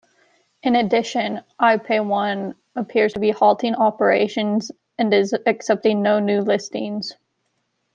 In addition, iPayOne appears to be halting operations and is accepting no new listings.